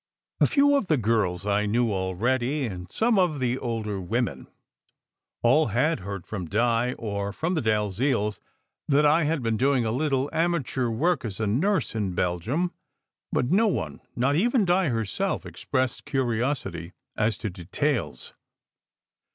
A few of the girls I knew already, and some of the older women. All had heard from Di or from the Dalziels that I had been doing a little amateur work as a nurse in Bel gium, but no one not even Di herself expressed curios ity as to details.